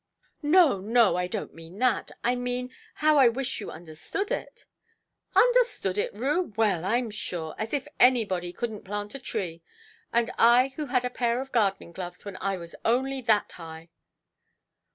"No, no. I donʼt mean that. I mean, how I wish you understood it". "Understood it, Rue! Well, Iʼm sure! As if anybody couldnʼt plant a tree! And I, who had a pair of gardening gloves when I was only that high"!